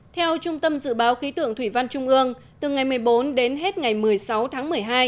theo trung tâm dự báo khí tượng thủy văn trung ương từ ngày một mươi bốn đến hết ngày một mươi sáu tháng một mươi hai